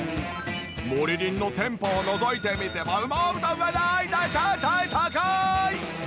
モリリンの店舗をのぞいてみても羽毛布団はたたた高い！